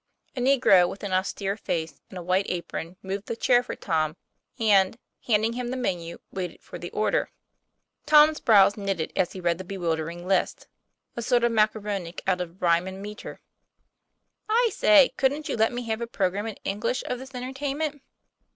A negro with an austere face and a white apron moved a chair for Tom, and, handing him the menu, waited for the order. Tom's brows knitted as he read the bewildering list a sort of macaronic out of rhyme and metre. 'I say, couldn't you let me have a program in English of this entertainment."